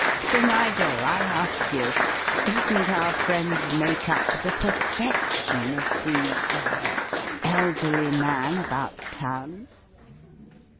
Sir Nigel, I ask you, isn't our friend's make up the perfection of the er elderly man about town?"